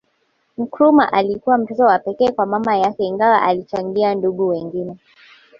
Nkurumah alikuwa mtoto wa pekee kwa mama yake Ingawa alichangia ndugu wengine